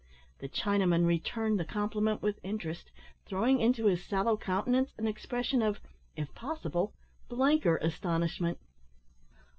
The Chinaman returned the compliment with interest, throwing into his sallow countenance an expression of, if possible, blanker astonishment.